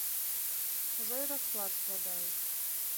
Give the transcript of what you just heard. Ужо і расклад складаюць.